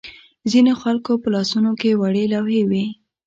ځینو خلکو په لاسونو کې وړې لوحې وې.